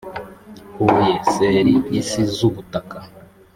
huye ser isi z ubutaka